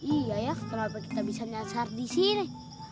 iya ya kenapa kita bisa nyasar disini